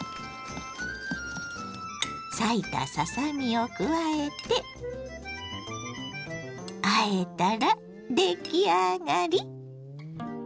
裂いたささ身を加えてあえたら出来上がり！